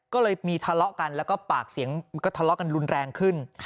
ก็เลยมีทะเลาะกันแล้วก็ปากเสียงก็ทะเลาะกันรุนแรงขึ้น